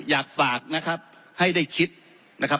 อยากฝากนะครับให้ได้คิดนะครับ